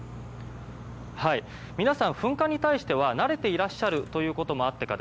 皆さん、噴火に対しては慣れていらっしゃるということもあってか